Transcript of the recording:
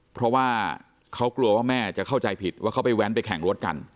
เพราะว่าเขากลัวว่าแม่จะเข้าใจผิดว่าเขาไปแว้นไปแข่งรถกัน